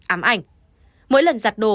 ám ảnh mỗi lần giặt đồ